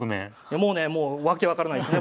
もうねもう訳分からないですね。